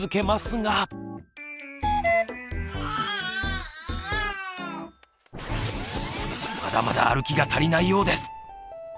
まだまだ歩きが足りないようです。